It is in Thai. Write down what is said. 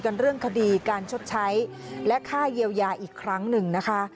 เรื่องคดีการชดใช้และค่าเยียวยาอีกครั้งหนึ่งนะคะ